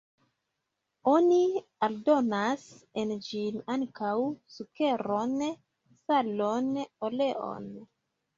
Oni aldonas en ĝin ankaŭ sukeron, salon, oleon.